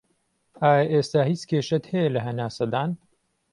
ئایا ئێستا هیچ کێشەت هەیە لە هەناسەدان